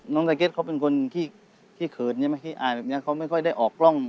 สเก็ตเขาเป็นคนที่เขินใช่ไหมขี้อายแบบนี้เขาไม่ค่อยได้ออกกล้อง